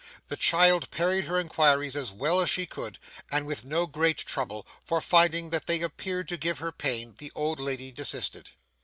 The child parried her inquiries as well as she could, and with no great trouble, for finding that they appeared to give her pain, the old lady desisted.